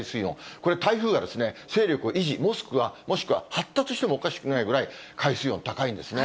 これ、台風が勢力を維持、もしくは発達してもおかしくないぐらい、海水温高いんですね。